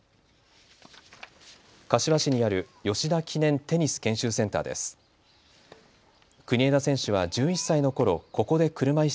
柏市にある吉田記念テニス研修センターです。